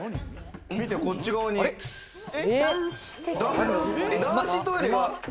見て、こっち側に男子トイレが。